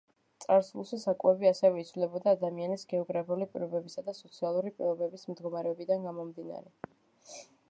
წარსულში, საკვები ასევე იცვლებოდა ადამიანების გეოგრაფიული პირობებისა და სოციალური პირობების მდგომარეობიდან გამომდინარე.